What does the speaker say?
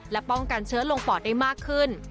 และป้องกันเชื้อลงปอดได้มากขึ้น